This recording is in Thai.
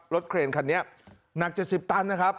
เครนคันนี้หนัก๗๐ตันนะครับ